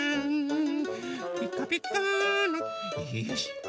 ピカピカーのよし！